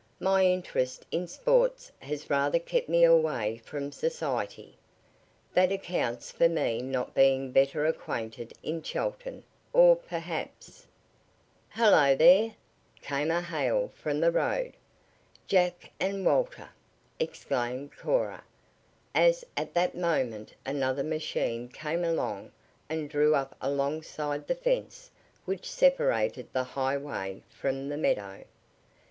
My interest in sports has rather kept me away from society. That accounts for me not being better acquainted in Chelton, or perhaps " "Hello there!" came a hail from the road. "Jack and Walter!" exclaimed Cora, as at that moment another machine came along and drew up alongside the fence which separated the highway from the meadow.